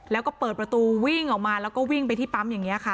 แล้วก็เปิดประตูวิ่งออกมาแล้วก็วิ่งไปที่ปั๊มอย่างนี้ค่ะ